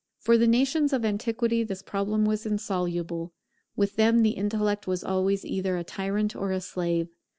For the nations of antiquity this problem was insoluble; with them the intellect was always either a tyrant or a slave.